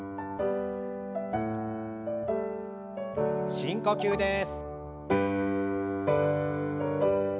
深呼吸です。